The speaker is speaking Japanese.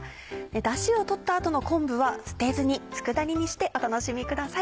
だしを取った後の昆布は捨てずに佃煮にしてお楽しみください。